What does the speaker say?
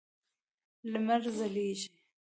لمر ځلېږي.